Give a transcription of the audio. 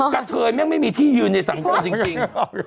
กัตเทยย์แม้งไม่มีที่ยืนในสังเกตุจริง